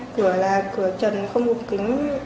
cửa là cửa trần không gục kính